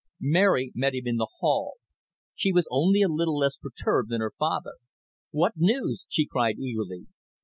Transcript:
Mary met him in the hall. She was only a little less perturbed than her father. "What news?" she cried eagerly.